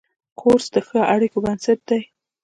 کورس د ښو اړیکو بنسټ دی.